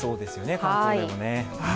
関東でも。